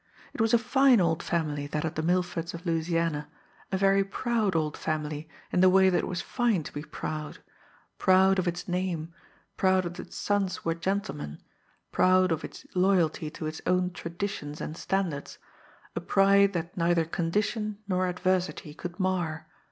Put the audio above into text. It was a fine old family, that of the Milfords of Louisiana, a very proud old family in the way that it was fine to be proud proud of its name, proud that its sons were gentlemen, proud of its loyalty to its own traditions and standards, a pride that neither condition nor adversity could mar.